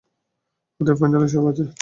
অতএব, ফাইলে সব আছে।